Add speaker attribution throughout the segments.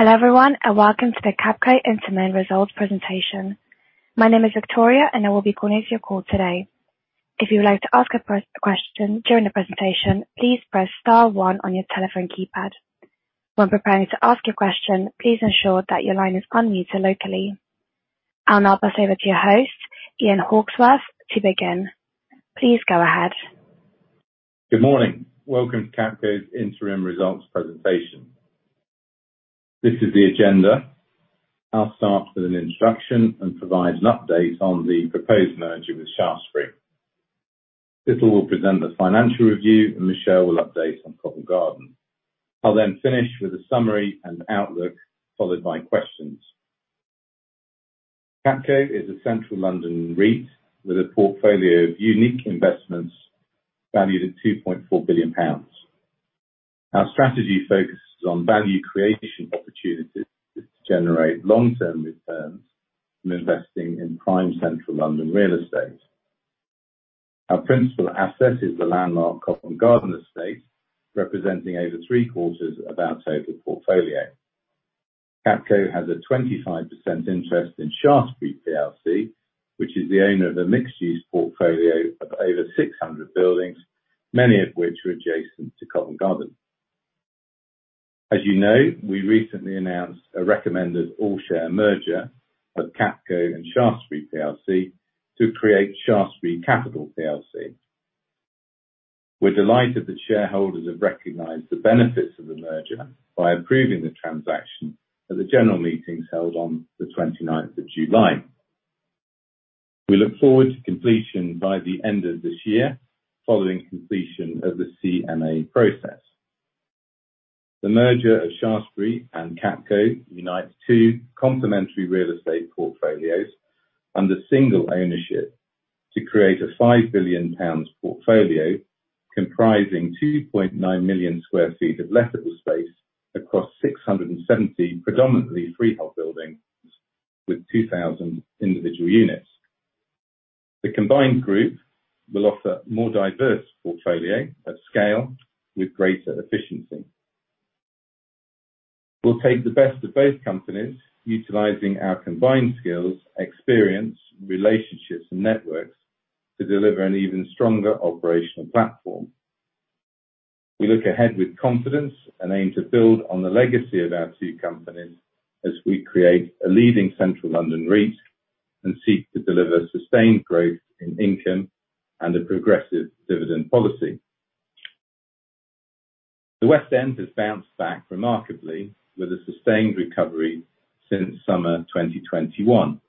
Speaker 1: Hello, everyone, and welcome to the Capco Interim Results presentation. My name is Victoria, and I will be coordinating your call today. If you would like to ask a question during the presentation, please press star one on your telephone keypad. When preparing to ask your question, please ensure that your line is unmuted locally. I'll now pass over to your host, Ian Hawksworth, to begin. Please go ahead.
Speaker 2: Good morning. Welcome to Capco's Interim Results presentation. This is the agenda. I'll start with an introduction and provide an update on the proposed merger with Shaftesbury. Sital will present the financial review, and Michelle will update on Covent Garden. I'll then finish with a summary and outlook, followed by questions. Capco is a central London REIT with a portfolio of unique investments valued at 2.4 billion pounds. Our strategy focuses on value creation opportunities to generate long-term returns from investing in prime central London real estate. Our principal asset is the landmark Covent Garden estate, representing over three-quarters of our total portfolio. Capco has a 25% interest in Shaftesbury PLC, which is the owner of a mixed-use portfolio of over 600 buildings, many of which are adjacent to Covent Garden. As you know, we recently announced a recommended all-share merger of Capco and Shaftesbury PLC to create Shaftesbury Capital PLC. We're delighted that shareholders have recognized the benefits of the merger by approving the transaction at the general meetings held on the 29th of July. We look forward to completion by the end of this year, following completion of the CMA process. The merger of Shaftesbury and Capco unites two complementary real estate portfolios under single ownership to create a 5 billion pounds portfolio comprising 2.9 million sq ft of lettable space across 670 predominantly freehold buildings with 2,000 individual units. The combined group will offer more diverse portfolio at scale with greater efficiency. We'll take the best of both companies, utilizing our combined skills, experience, relationships, and networks to deliver an even stronger operational platform. We look ahead with confidence and aim to build on the legacy of our two companies as we create a leading central London REIT and seek to deliver sustained growth in income and a progressive dividend policy. The West End has bounced back remarkably with a sustained recovery since summer 2021,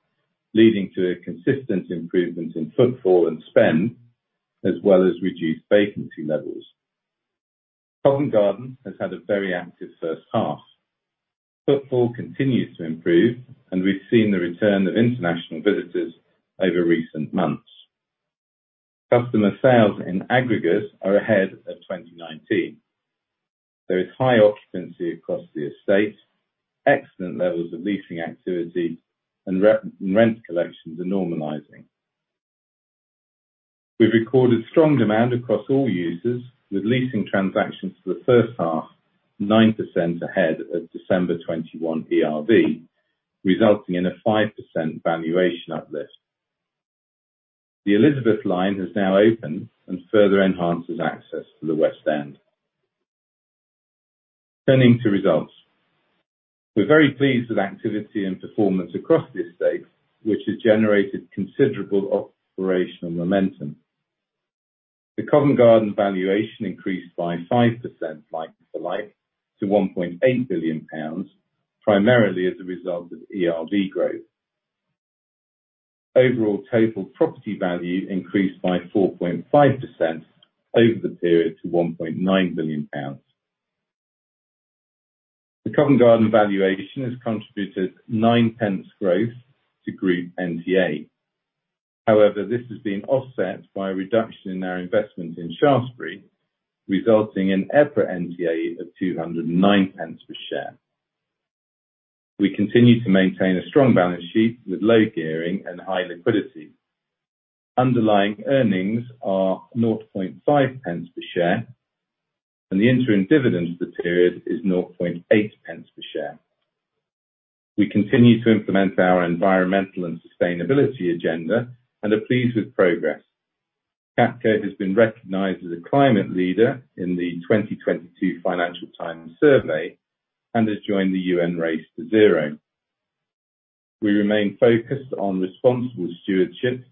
Speaker 2: leading to a consistent improvement in footfall and spend, as well as reduced vacancy levels. Covent Garden has had a very active first half. Footfall continues to improve, and we've seen the return of international visitors over recent months. Customer sales in aggregate are ahead of 2019. There is high occupancy across the estate, excellent levels of leasing activity and rent collections are normalizing. We've recorded strong demand across all users with leasing transactions for the first half, 9% ahead of December 2021 ERV, resulting in a 5% valuation uplift. The Elizabeth line has now opened and further enhances access to the West End. Turning to results. We're very pleased with activity and performance across the estate, which has generated considerable operational momentum. The Covent Garden valuation increased by 5% like-for-like to 1.8 billion pounds, primarily as a result of ERV growth. Overall total property value increased by 4.5% over the period to 1.9 billion pounds. The Covent Garden valuation has contributed 9 pence growth to group NTA. However, this has been offset by a reduction in our investment in Shaftesbury, resulting in EPRA NTA of 209 pence per share. We continue to maintain a strong balance sheet with low gearing and high liquidity. Underlying earnings are 0.5 pence per share, and the interim dividend for the period is 0.8 pence per share. We continue to implement our environmental and sustainability agenda and are pleased with progress. Capco has been recognized as a climate leader in the 2022 Financial Times survey and has joined the U.N. Race to Zero. We remain focused on responsible stewardship,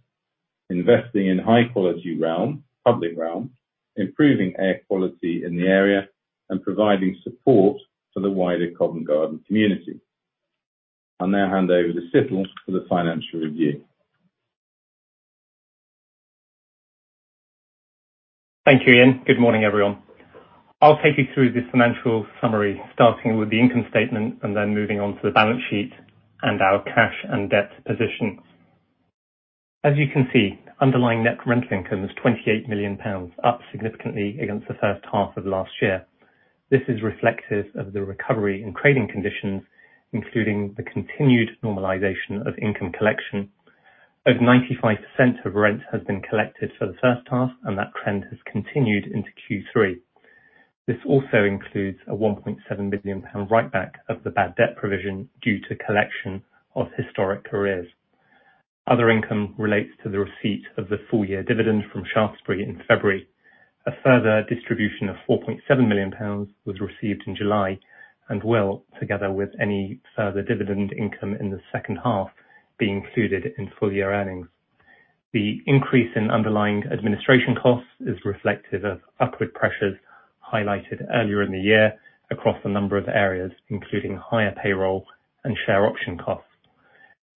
Speaker 2: investing in high-quality realm, public realm, improving air quality in the area, and providing support for the wider Covent Garden community. I'll now hand over to Situl for the financial review.
Speaker 3: Thank you, Ian. Good morning, everyone. I'll take you through the financial summary, starting with the income statement and then moving on to the balance sheet and our cash and debt positions. As you can see, underlying net rental income is 28 million pounds, up significantly against the first half of last year. This is reflective of the recovery in trading conditions, including the continued normalization of income collection. Over 95% of rent has been collected for the first half, and that trend has continued into Q3. This also includes a 1.7 billion pound write back of the bad debt provision due to collection of historic arrears. Other income relates to the receipt of the full year dividend from Shaftesbury in February. A further distribution of 4.7 million pounds was received in July and will, together with any further dividend income in the second half, be included in full year earnings. The increase in underlying administration costs is reflective of upward pressures highlighted earlier in the year across a number of areas, including higher payroll and share option costs.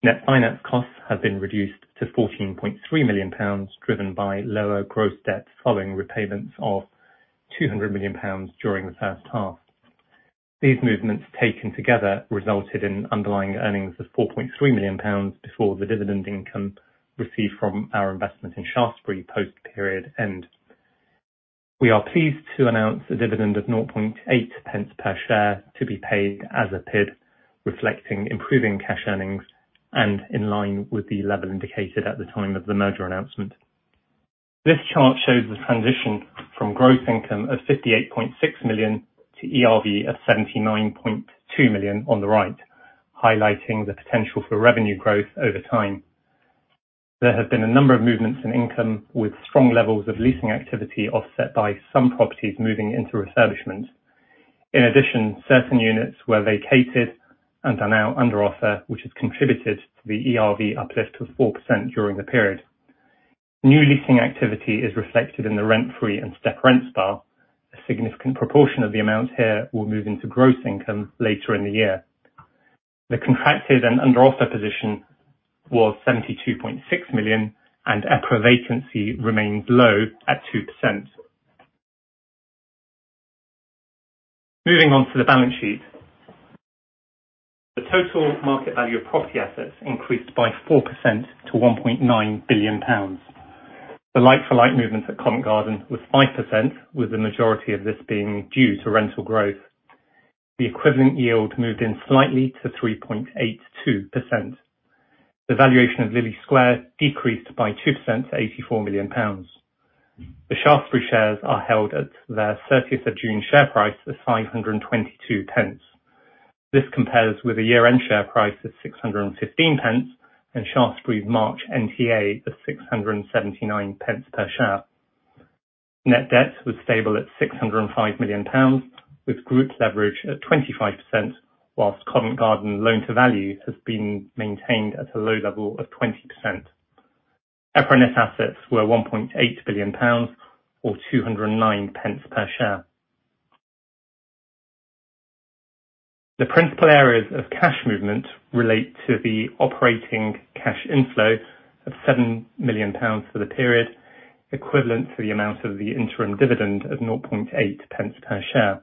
Speaker 3: Net finance costs have been reduced to 14.3 million pounds, driven by lower gross debt following repayments of 200 million pounds during the first half. These movements taken together resulted in underlying earnings of 4.3 million pounds before the dividend income received from our investment in Shaftesbury post period end. We are pleased to announce a dividend of 0.8 pence per share to be paid as a PID, reflecting improving cash earnings and in line with the level indicated at the time of the merger announcement. This chart shows the transition from gross income of 58.6 million to ERV of 79.2 million on the right, highlighting the potential for revenue growth over time. There have been a number of movements in income with strong levels of leasing activity offset by some properties moving into refurbishment. In addition, certain units were vacated and are now under offer, which has contributed to the ERV uplift of 4% during the period. New leasing activity is reflected in the rent-free and step rent style. A significant proportion of the amounts here will move into gross income later in the year. The contracted and under offer position was 72.6 million and EPRA vacancy remains low at 2%. Moving on to the balance sheet. The total market value of property assets increased by 4% to 1.9 billion pounds. The like for like movements at Covent Garden was 5%, with the majority of this being due to rental growth. The equivalent yield moved in slightly to 3.82%. The valuation of Lillie Square decreased by 2% to 84 million pounds. The Shaftesbury shares are held at their thirtieth of June share price of 522 pence. This compares with a year-end share price of 615 pence and Shaftesbury's March NTA of 679 pence per share. Net debt was stable at 605 million pounds with group leverage at 25%, whilst Covent Garden loan to value has been maintained at a low level of 20%. EPRA net assets were 1.8 billion pounds or 209 pence per share. The principal areas of cash movement relate to the operating cash inflow of 7 million pounds for the period, equivalent to the amount of the interim dividend of 0.8 pence per share,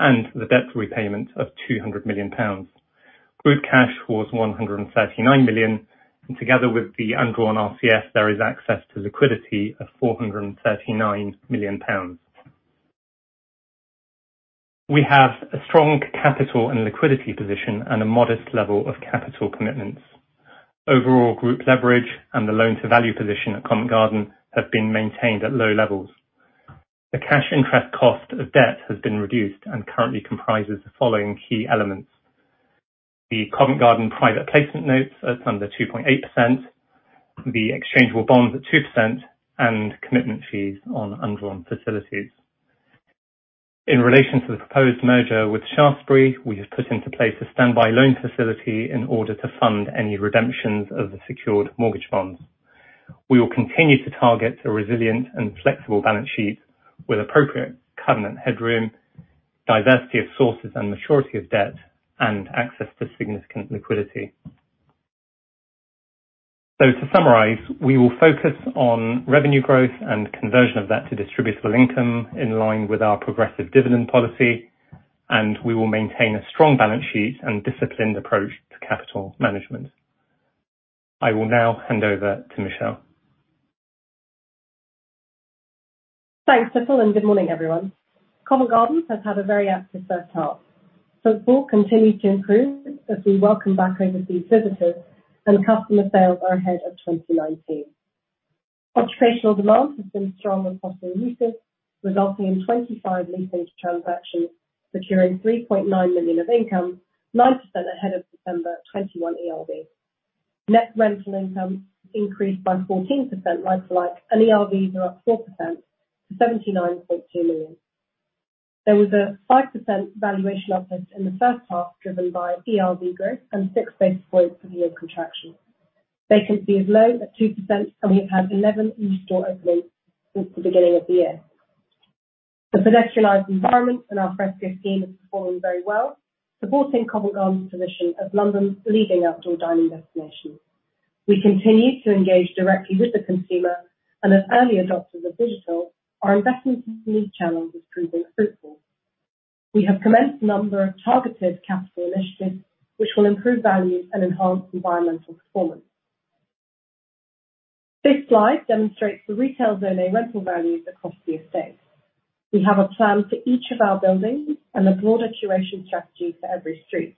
Speaker 3: and the debt repayment of 200 million pounds. Group cash was 139 million, and together with the undrawn RCF, there is access to liquidity of 439 million pounds. We have a strong capital and liquidity position and a modest level of capital commitments. Overall group leverage and the loan to value position at Covent Garden have been maintained at low levels. The cash interest cost of debt has been reduced and currently comprises the following key elements. The Covent Garden private placement notes at under 2.8%, the exchangeable bonds at 2%, and commitment fees on undrawn facilities. In relation to the proposed merger with Shaftesbury, we have put into place a standby loan facility in order to fund any redemptions of the secured mortgage bonds. We will continue to target a resilient and flexible balance sheet with appropriate covenant headroom, diversity of sources and maturity of debt, and access to significant liquidity. To summarize, we will focus on revenue growth and conversion of that to distributable income in line with our progressive dividend policy, and we will maintain a strong balance sheet and disciplined approach to capital management. I will now hand over to Michelle.
Speaker 4: Thanks, Philip, and good morning, everyone. Covent Garden has had a very active first half. Footfall continued to improve as we welcome back overseas visitors and customer sales are ahead of 2019. Occupational demand has been strong across the U.K., resulting in 25 leasing transactions, securing 3.9 million of income, 9% ahead of December 2021 ERV. Net rental income increased by 14% like-for-like, and ERVs are up 4% to 79.2 million. There was a 5% valuation uplift in the first half, driven by ERV growth and six basis points from yield contraction. Vacancy is low at 2%, and we've had 11 in-store openings since the beginning of the year. The pedestrianized environment and al fresco scheme is performing very well, supporting Covent Garden's position as London's leading outdoor dining destination. We continue to engage directly with the consumer and as early adopters of digital, our investment into new channels is proving fruitful. We have commenced a number of targeted capital initiatives which will improve values and enhance environmental performance. This slide demonstrates the retail Zone A rental values across the estate. We have a plan for each of our buildings and a broader curation strategy for every street.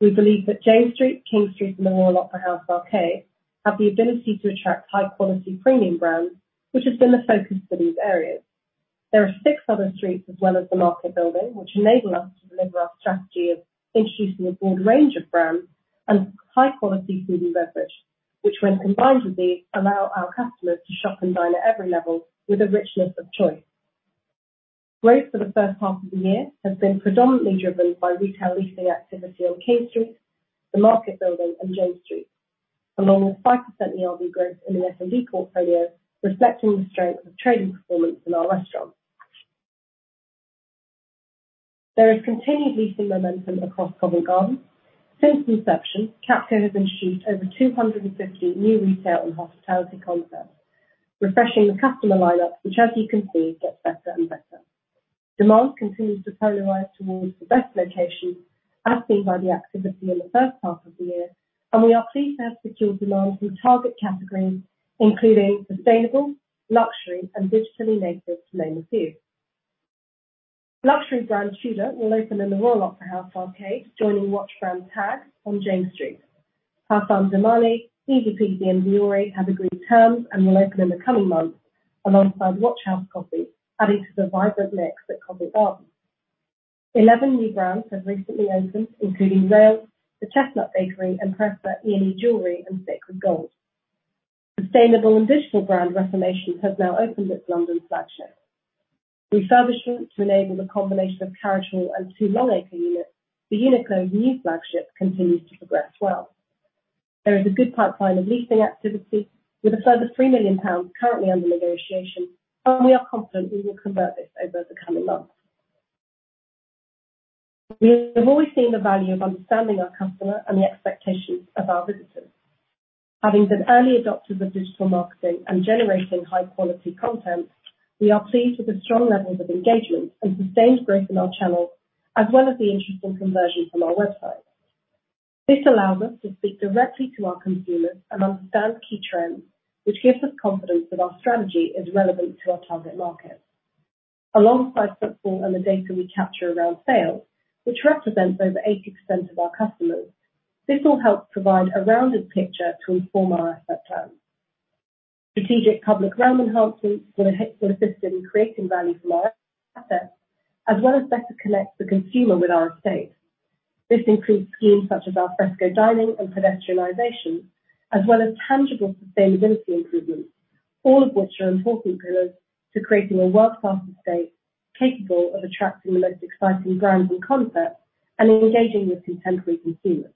Speaker 4: We believe that James Street, King Street, and the Royal Opera House Arcade have the ability to attract high-quality premium brands, which has been the focus for these areas. There are six other streets as well as the Market building, which enable us to deliver our strategy of introducing a broad range of brands and high-quality food and beverage, which when combined with these, allow our customers to shop and dine at every level with a richness of choice. Growth for the first half of the year has been predominantly driven by retail leasing activity on King Street, the Market building, and James Street, along with 5% ERV growth in the F&B portfolio, reflecting the strength of trading performance in our restaurants. There is continued leasing momentum across Covent Garden. Since inception, Capco has introduced over 250 new retail and hospitality concepts, refreshing the customer line-up, which as you can see, gets better and better. Demand continues to polarize towards the best locations as seen by the activity in the first half of the year, and we are pleased to have secured demand from target categories, including sustainable, luxury, and digitally native to name a few. Luxury brand Tudor will open in the Royal Opera House Arcade, joining watch brand TAG Heuer on James Street. House of Zamali, PVP, and Dior have agreed terms and will open in the coming months alongside WatchHouse, adding to the vibrant mix at Covent Garden. 11 new brands have recently opened, including Rails, The Chestnut Bakery, and Prasi Fine Jewelry, and Sacred Gold. Sustainable and digital brand Reformation has now opened its London flagship. Refurbishment to enable the combination of Carriage Hall and two Long Acre units, the Uniqlo new flagship continues to progress well. There is a good pipeline of leasing activity with a further 3 million pounds currently under negotiation, and we are confident we will convert this over the coming months. We have always seen the value of understanding our customer and the expectations of our visitors. Having been early adopters of digital marketing and generating high-quality content, we are pleased with the strong levels of engagement and sustained growth in our channels, as well as the interest in conversion from our website. This allows us to speak directly to our consumers and understand key trends, which gives us confidence that our strategy is relevant to our target market. Alongside footfall and the data we capture around sales, which represents over 80% of our customers, this will help provide a rounded picture to inform our asset plan. Strategic public realm enhancements will assist in creating value from our assets, as well as better connect the consumer with our estate. This includes schemes such as al fresco dining and pedestrianization, as well as tangible sustainability improvements, all of which are important pillars to creating a world-class estate capable of attracting the most exciting brands and concepts and engaging with contemporary consumers.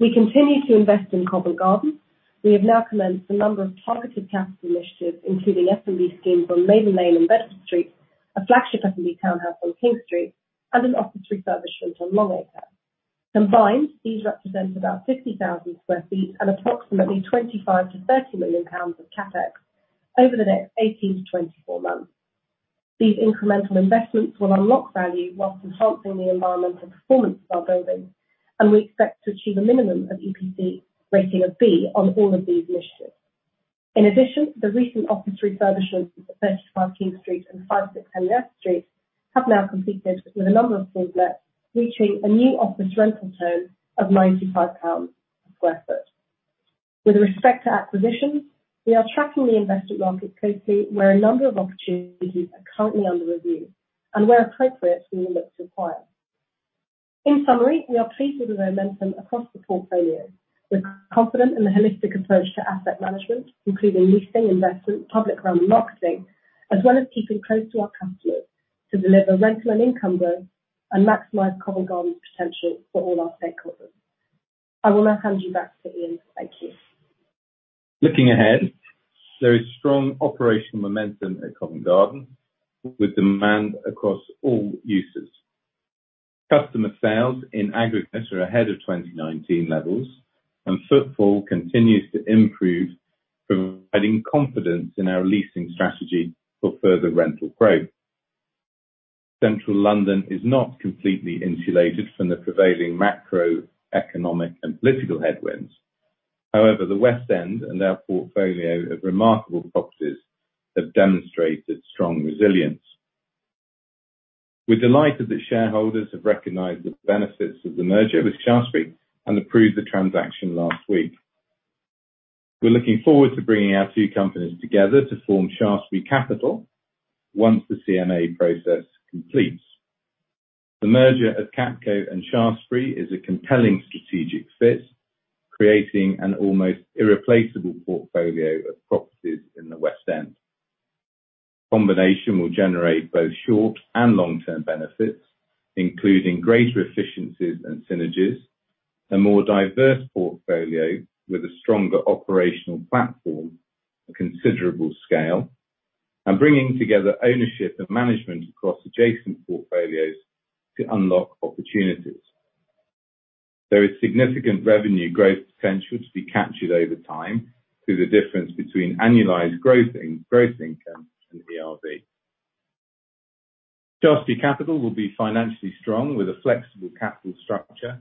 Speaker 4: We continue to invest in Covent Garden. We have now commenced a number of targeted capital initiatives, including F&B schemes on Maiden Lane and Bedford Street, a flagship F&B townhouse on King Street, and an office refurbishment on Long Acre. Combined, these represent about 50,000 sq ft and approximately 25 million-30 million pounds of CapEx over the next 18 months-24 months. These incremental investments will unlock value while enhancing the environmental performance of our buildings, and we expect to achieve a minimum of EPC rating of B on all of these initiatives. In addition, the recent office refurbishments at 35 King Street and 5-6 Henrietta Street have now completed with a number of sublets, reaching a new office rental term of 95 pounds per sq ft. With respect to acquisitions, we are tracking the investment market closely where a number of opportunities are currently under review and where appropriate, we will look to acquire. In summary, we are pleased with the momentum across the portfolio. We're confident in the holistic approach to asset management, including leasing, investment, public realm marketing, as well as keeping close to our customers to deliver rental and income growth and maximize Covent Garden's potential for all our stakeholders. I will now hand you back to Ian. Thank you.
Speaker 2: Looking ahead, there is strong operational momentum at Covent Garden with demand across all uses. Customer sales in aggregate are ahead of 2019 levels and footfall continues to improve, providing confidence in our leasing strategy for further rental growth. Central London is not completely insulated from the prevailing macroeconomic and political headwinds. However, the West End and our portfolio of remarkable properties have demonstrated strong resilience. We're delighted that shareholders have recognized the benefits of the merger with Shaftesbury and approved the transaction last week. We're looking forward to bringing our two companies together to form Shaftesbury Capital once the CMA process completes. The merger of Capco and Shaftesbury is a compelling strategic fit, creating an almost irreplaceable portfolio of properties in the West End. Combination will generate both short and long-term benefits, including greater efficiencies and synergies, a more diverse portfolio with a stronger operational platform, a considerable scale, and bringing together ownership and management across adjacent portfolios to unlock opportunities. There is significant revenue growth potential to be captured over time through the difference between annualized gross income and ERV. Shaftesbury Capital will be financially strong with a flexible capital structure,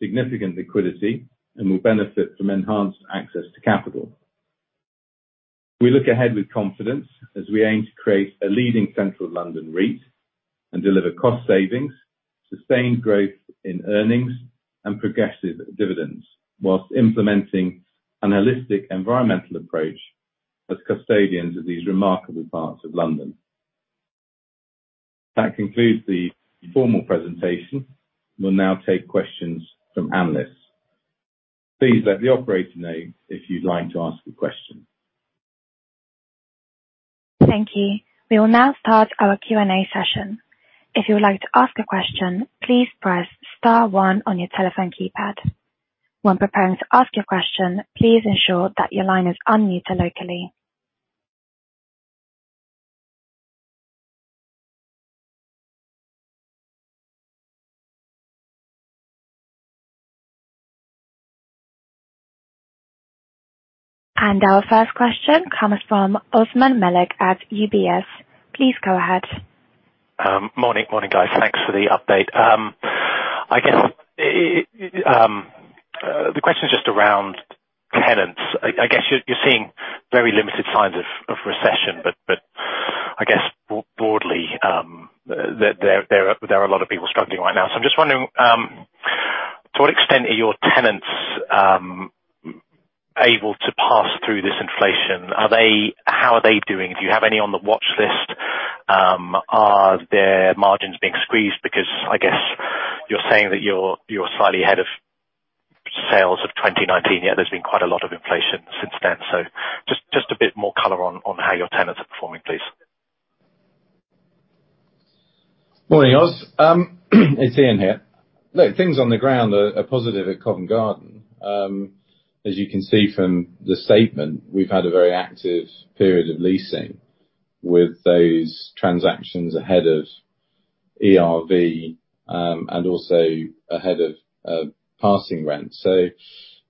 Speaker 2: significant liquidity, and will benefit from enhanced access to capital. We look ahead with confidence as we aim to create a leading central London REIT and deliver cost savings, sustained growth in earnings and progressive dividends, while implementing a holistic environmental approach as custodians of these remarkable parts of London. That concludes the formal presentation. We'll now take questions from analysts. Please let the operator know if you'd like to ask a question.
Speaker 1: Thank you. We will now start our Q&A session. If you would like to ask a question, please press star one on your telephone keypad. When preparing to ask your question, please ensure that your line is unmuted locally. Our first question comes from Osmaan Malik at UBS. Please go ahead.
Speaker 5: Morning, guys. Thanks for the update. I guess the question is just around tenants. I guess you're seeing very limited signs of recession, but I guess broadly, there are a lot of people struggling right now. I'm just wondering to what extent are your tenants able to pass through this inflation? Are they? How are they doing? Do you have any on the watchlist? Are their margins being squeezed? Because I guess you're saying that you're slightly ahead of sales of 2019, yet there's been quite a lot of inflation since then. Just a bit more color on how your tenants are performing, please.
Speaker 2: Morning, Osmaan. It's Ian here. Look, things on the ground are positive at Covent Garden. As you can see from the statement, we've had a very active period of leasing with those transactions ahead of ERV, and also ahead of passing rent.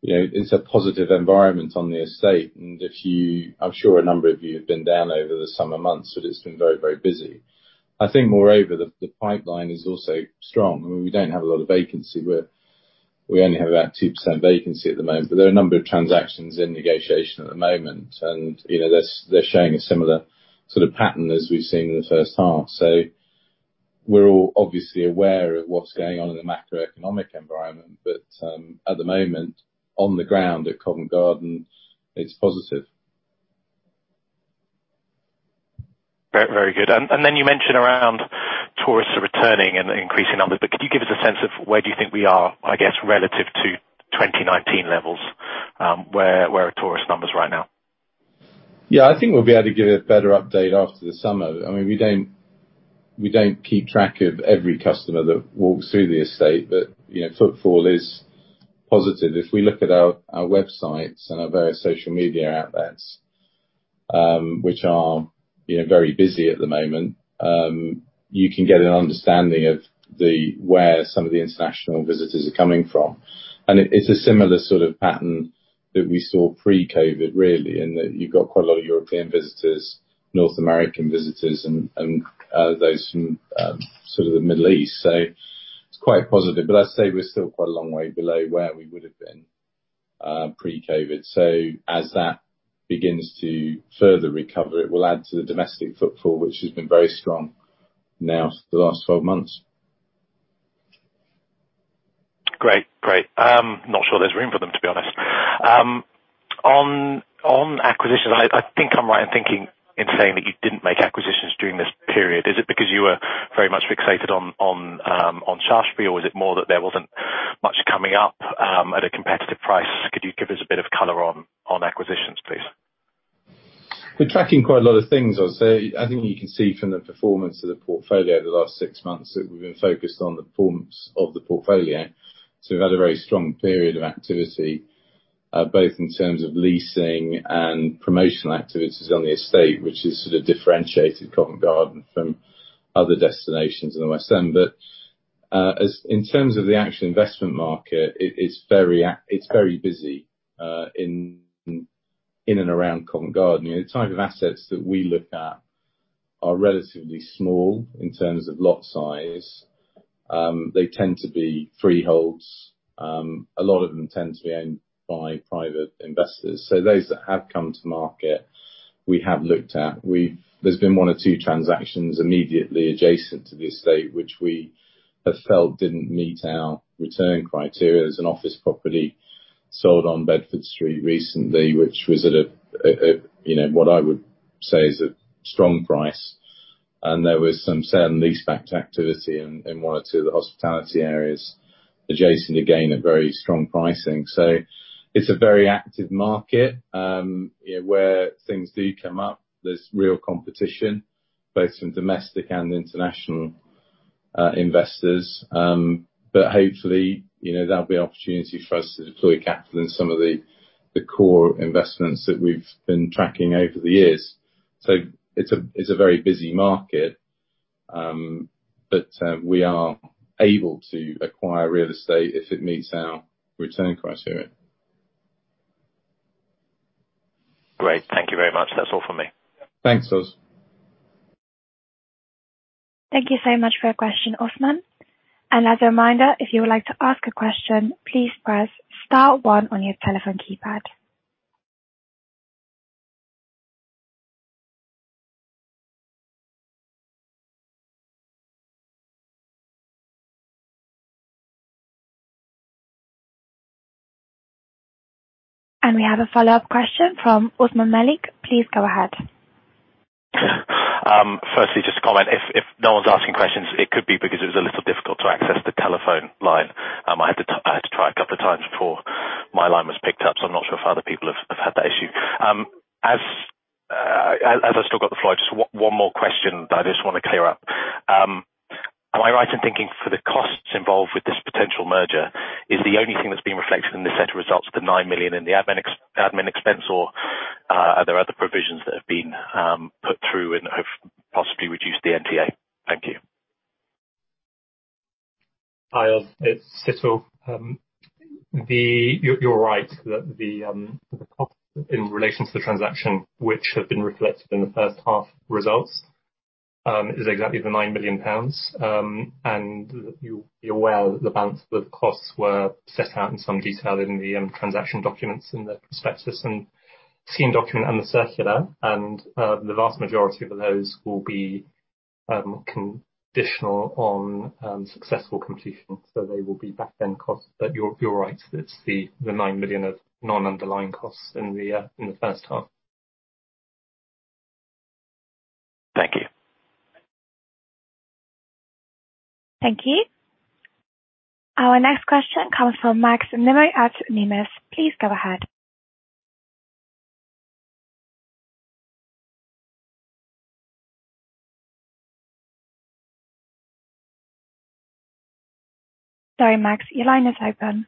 Speaker 2: You know, it's a positive environment on the estate. I'm sure a number of you have been down over the summer months, but it's been very, very busy. I think moreover, the pipeline is also strong. I mean, we don't have a lot of vacancy. We only have about 2% vacancy at the moment, but there are a number of transactions in negotiation at the moment. You know, they're showing a similar sort of pattern as we've seen in the first half. We're all obviously aware of what's going on in the macroeconomic environment, but at the moment, on the ground at Covent Garden, it's positive.
Speaker 5: Very, very good. You mentioned around tourists are returning in increasing numbers, but could you give us a sense of where do you think we are, I guess, relative to 2019 levels? Where are tourist numbers right now?
Speaker 2: Yeah, I think we'll be able to give a better update after the summer. I mean, we don't keep track of every customer that walks through the estate, but you know, footfall is positive. If we look at our websites and our various social media outlets, which are, you know, very busy at the moment, you can get an understanding of where some of the international visitors are coming from. It's a similar sort of pattern that we saw pre-COVID really, in that you've got quite a lot of European visitors, North American visitors and sort of the Middle East. It's quite positive, but as I say, we're still quite a long way below where we would have been pre-COVID. As that begins to further recover, it will add to the domestic footfall, which has been very strong now for the last 12 months.
Speaker 5: Great. Great. Not sure there's room for them, to be honest. On acquisition, I think I'm right in thinking, in saying that you didn't make acquisitions during this period. Is it because you were very much fixated on Shaftesbury, or was it more that there wasn't much coming up at a competitive price? Could you give us a bit of color on acquisitions, please?
Speaker 2: We're tracking quite a lot of things, I'd say. I think you can see from the performance of the portfolio the last six months that we've been focused on the performance of the portfolio. We've had a very strong period of activity both in terms of leasing and promotional activities on the estate, which has sort of differentiated Covent Garden from other destinations in the West End. As in terms of the actual investment market, it is very busy in and around Covent Garden. You know, the type of assets that we look at are relatively small in terms of lot size. They tend to be freeholds. A lot of them tend to be owned by private investors. Those that have come to market, we have looked at. There's been one or two transactions immediately adjacent to the estate, which we have felt didn't meet our return criteria. There's an office property sold on Bedford Street recently, which was at a you know what I would say is a strong price. There was some certain leaseback activity in one or two of the hospitality areas adjacent, again, at very strong pricing. It's a very active market. You know, where things do come up, there's real competition, both from domestic and international investors. Hopefully, you know, there'll be opportunity for us to deploy capital in some of the core investments that we've been tracking over the years. It's a very busy market, but we are able to acquire real estate if it meets our return criteria.
Speaker 5: Thank you very much. That's all for me.
Speaker 2: Thanks, Osmaan.
Speaker 1: Thank you so much for your question, Osmaan. As a reminder, if you would like to ask a question, please press star one on your telephone keypad. We have a follow-up question from Osmaan Malik. Please go ahead.
Speaker 5: Firstly, just to comment, if no one's asking questions, it could be because it was a little difficult to access the telephone line. I had to try a couple of times before my line was picked up, so I'm not sure if other people have had that issue. As I still got the floor, just one more question that I just wanna clear up. Am I right in thinking for the costs involved with this potential merger, is the only thing that's being reflected in this set of results, the 9 million in the admin expense, or are there other provisions that have been put through and have possibly reduced the NTA? Thank you.
Speaker 3: Hi, Osmaan. It's Situl. You are right. The cost in relation to the transaction, which have been reflected in the first half results, is exactly 9 million pounds. You are aware the balance of the costs were set out in some detail in the transaction documents in the prospectus and scheme document and the circular. The vast majority of those will be conditional on successful completion, so they will be back-end costs. You are right, it's the 9 million of non-underlying costs in the first half.
Speaker 5: Thank you.
Speaker 1: Thank you. Our next question comes from Maxwell Nimmo at Numis. Please go ahead. Sorry, Max, your line is open.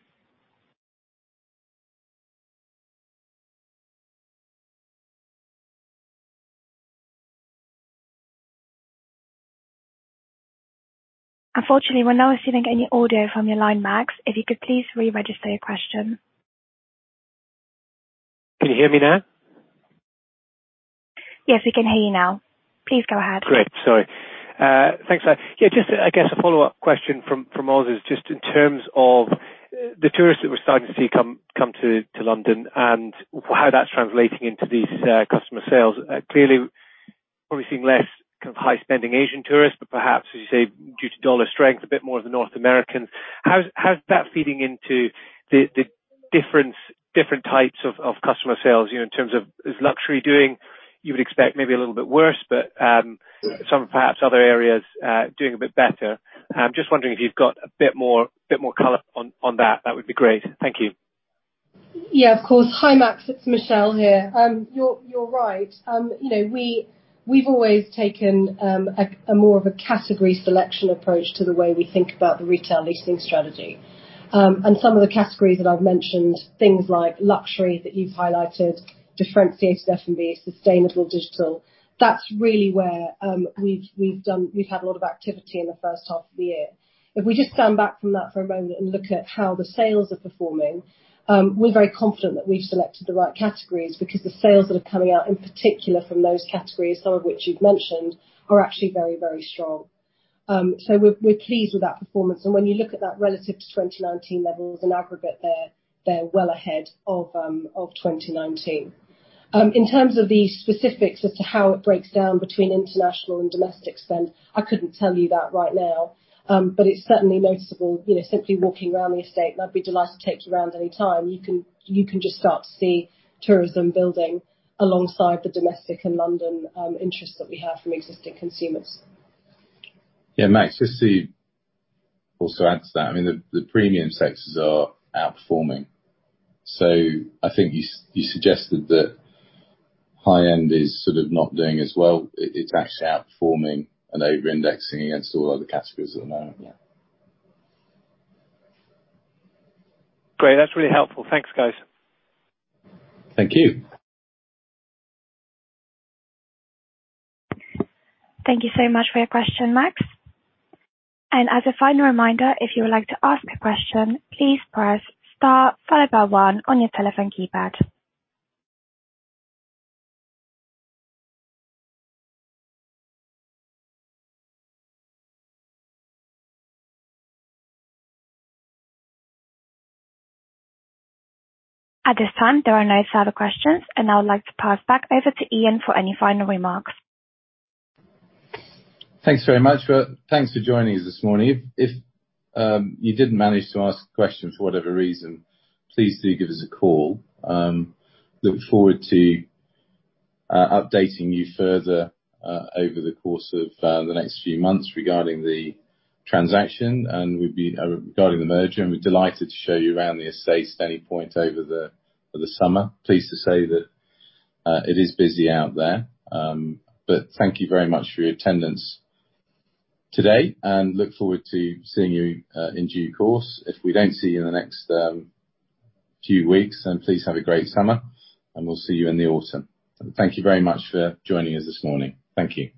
Speaker 1: Unfortunately, we're not receiving any audio from your line, Max. If you could please re-register your question.
Speaker 6: Can you hear me now?
Speaker 1: Yes, we can hear you now. Please go ahead.
Speaker 6: Great. Sorry. Thanks for that. Yeah, just, I guess a follow-up question from Osman, just in terms of the tourists that we're starting to see come to London and how that's translating into these customer sales. Clearly probably seeing less of high-spending Asian tourists, but perhaps, as you say, due to dollar strength, a bit more of the North Americans. How's that feeding into the different types of customer sales, you know, in terms of is luxury doing? You would expect maybe a little bit worse, but
Speaker 2: Yeah.
Speaker 6: Some perhaps other areas doing a bit better. Just wondering if you've got a bit more color on that. That would be great. Thank you.
Speaker 4: Yeah, of course. Hi, Max, it's Michelle here. You're right. You know, we've always taken a more of a category selection approach to the way we think about the retail leasing strategy. Some of the categories that I've mentioned, things like luxury that you've highlighted, differentiated F&B, sustainable, digital, that's really where we've had a lot of activity in the first half of the year. If we just stand back from that for a moment and look at how the sales are performing, we're very confident that we've selected the right categories because the sales that are coming out, in particular from those categories, some of which you've mentioned, are actually very, very strong. We're pleased with that performance. When you look at that relative to 2019 levels in aggregate there, they're well ahead of 2019. In terms of the specifics as to how it breaks down between international and domestic spend, I couldn't tell you that right now. But it's certainly noticeable, you know, simply walking around the estate, and I'd be delighted to take you around any time. You can just start to see tourism building alongside the domestic and London interest that we have from existing consumers.
Speaker 2: Yeah, Max, just to also add to that, I mean, the premium sectors are outperforming. I think you suggested that high-end is sort of not doing as well. It's actually outperforming and over-indexing against all other categories at the moment. Yeah.
Speaker 6: Great. That's really helpful. Thanks, guys.
Speaker 2: Thank you.
Speaker 1: Thank you so much for your question, Max. As a final reminder, if you would like to ask a question, please press star followed by one on your telephone keypad. At this time, there are no further questions, and I would like to pass back over to Ian for any final remarks.
Speaker 2: Thanks for joining us this morning. If you didn't manage to ask a question for whatever reason, please do give us a call. Look forward to updating you further over the course of the next few months regarding the transaction, regarding the merger, and we're delighted to show you around the estate at any point over the summer. Pleased to say that it is busy out there. Thank you very much for your attendance today, and look forward to seeing you in due course. If we don't see you in the next few weeks, please have a great summer, and we'll see you in the autumn. Thank you very much for joining us this morning. Thank you.